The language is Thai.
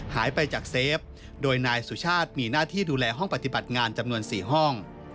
หายไปจากเซฟโดยนายสุชาติมีหน้าที่ดูแลห้องปฏิบัติงานจำนวน๔ห้อง